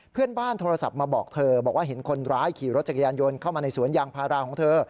โทรศัพท์มาบอกเธอบอกว่าเห็นคนร้ายขี่รถจักรยานยนต์เข้ามาในสวนยางพาราของเธอ